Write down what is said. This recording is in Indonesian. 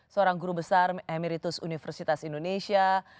seorang guru besar amiritus universitas indonesia